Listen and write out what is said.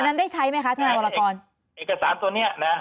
นั้นได้ใช้ไหมคะทนายวรกรเอกสารตัวเนี้ยนะ